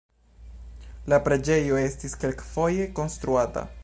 La preĝejo estis kelkfoje rekonstruata.